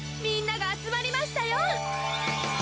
みんながあつまりましたよ！